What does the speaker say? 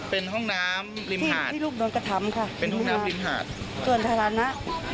ส่วนฐานะ